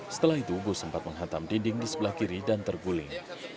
setelah itu bus sempat menghantam dinding di sebelah kiri dan terguling